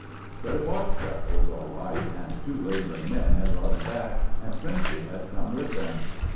But it was Freckles all right, and two laboring men had brought him back, and Frenchy had come with them.